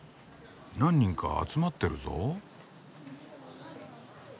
何人か集まってるぞ。